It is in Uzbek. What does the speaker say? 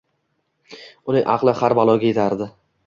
Uning aqli har baloga yetardi.